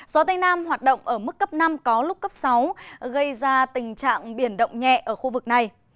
gió tây nam hoạt động ở mức cấp năm có lúc cấp sáu gây ra tình trạng biển động nhẹ ở khu vực này